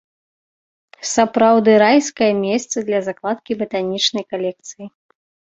Сапраўды, райскае месца для закладкі батанічнай калекцыі.